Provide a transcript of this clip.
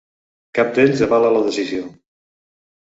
Cap d’ells avala la decisió.